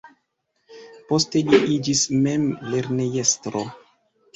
Poste li iĝis mem lernejestro.